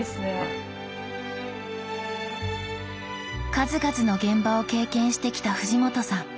数々の現場を経験してきた藤本さん。